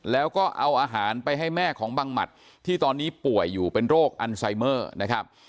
แล้วก็เอาอาหารไปให้แม่ของบังหมัดที่ตอนนี้ป่วยอยู่เป็นโรคอันไซเมอร์นะครับ